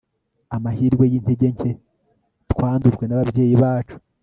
amahirwe yintege nke twandujwe nababyeyi bacu